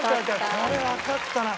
これわかったな。